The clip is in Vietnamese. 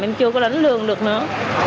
em chưa có đánh lương được nữa